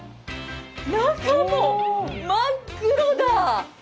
中も真っ黒だ！